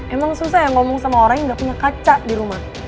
emang susah ya ngomong sama orang yang gak punya kaca di rumah